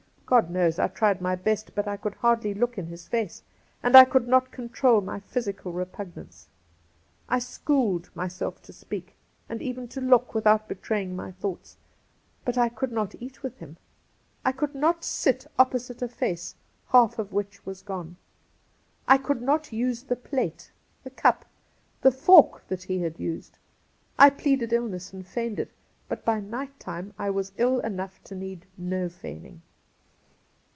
God knows I tried my best, but I could hardly look in his face, and I could not control my physical repugnance. I schooled myself to speak, and even to look, with out betraying my thoughts, but I could not eat Cassidy 135 with him. I could not sit opposite a face half of which was gone ; I could not use the plate, the cup, the fork, that he had used. I pleaded ill ness, and feigned it ; but by night time I was ill enough to need no feigning.